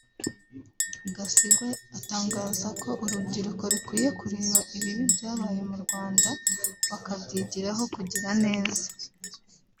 Gasigwa atangaza ko urubyiruko rukwiye kureba ibibi byabaye mu Rwanda bakabyigiraho kugira neza